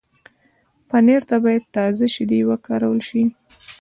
پنېر ته باید تازه شیدې وکارول شي.